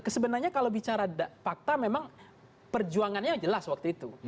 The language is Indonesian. sebenarnya kalau bicara fakta memang perjuangannya jelas waktu itu